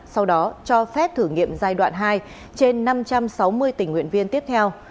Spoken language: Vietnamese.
sau đó cho phép thử nghiệm giai đoạn hai trên năm trăm sáu mươi tình nguyện viên tiếp theo